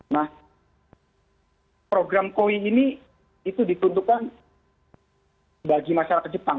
nah program koli ini itu dituntukkan bagi masyarakat jepang